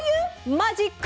マジック？